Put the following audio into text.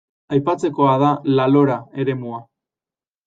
Aipatzekoa da La Lora eremua.